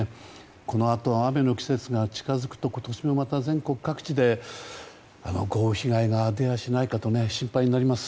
このあと雨の季節が近づくと今年もまた全国各地で豪雨被害が出やしないかと心配になります。